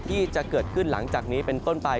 ที่จะเกิดขึ้นหลังจากนี้เป็นต้นไป